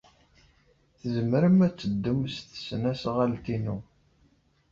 Tzemrem ad teddum s tesnasɣalt-inu.